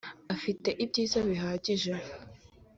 afite ibyiza bihagije.